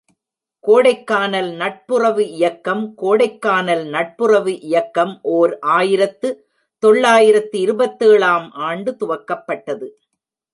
கோடைக்கானல் நட்புறவு இயக்கம் கோடைக்கானல் நட்புறவு இயக்கம் ஓர் ஆயிரத்து தொள்ளாயிரத்து இருபத்தேழு ஆம் ஆண்டு துவக்கப்பட்டது.